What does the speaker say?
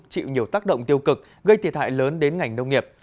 chịu nhiều tác động tiêu cực gây thiệt hại lớn đến ngành nông nghiệp